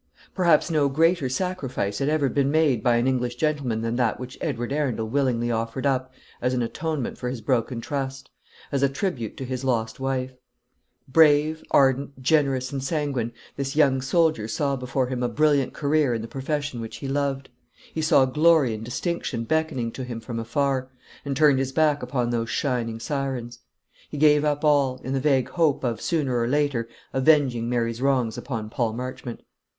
Perhaps no greater sacrifice had ever been made by an English gentleman than that which Edward Arundel willingly offered up as an atonement for his broken trust, as a tribute to his lost wife. Brave, ardent, generous, and sanguine, this young soldier saw before him a brilliant career in the profession which he loved. He saw glory and distinction beckoning to him from afar, and turned his back upon those shining sirens. He gave up all, in the vague hope of, sooner or later, avenging Mary's wrongs upon Paul Marchmont.